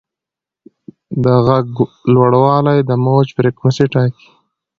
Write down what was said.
د غږ لوړوالی د موج فریکونسي ټاکي.